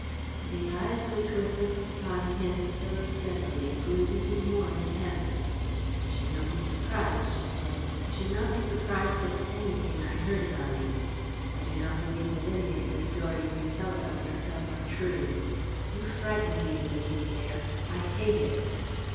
The eyes which were fixed upon his so steadily grew even more intense. "I should not be surprised," she said. "I should not be surprised at anything I heard about you. I do not believe that any of the stories you tell about yourself are true. You frighten me, living there. I hate it."